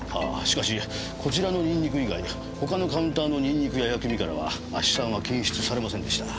しかしこちらのニンニク以外他のカウンターのニンニクや薬味からは亜ヒ酸は検出されませんでした。